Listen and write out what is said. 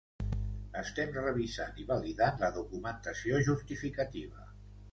Estem revisant i validant la documentació justificativa.